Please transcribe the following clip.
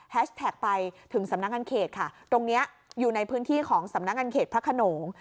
ไปถึงสำนักงานเขตค่ะตรงนี้อยู่ในพื้นที่ของสำนักงานเขตพระขนง